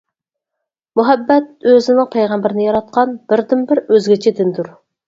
مۇھەببەت ئۆزىنىڭ پەيغەمبىرىنى ياراتقان بىردىنبىر ئۆزگىچە دىندۇر.